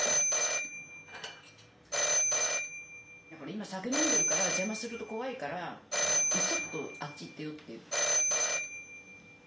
今酒飲んでるから邪魔すると怖いからちょっとあっち行ってよっていう。